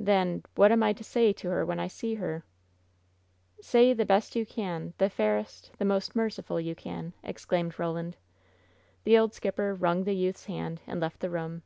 "Then — ^what am I to say to her when I see her ?" "Say — the best you can — the fairest, the most merci ful you can!" exclaimed Roland. The old skipper wrung the youth's hand and left the room.